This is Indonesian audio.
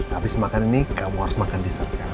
habis makan ini kamu harus makan dessertnya